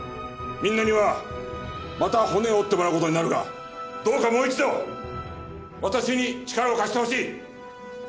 みんなにはまた骨を折ってもらう事になるがどうかもう一度私に力を貸してほしい。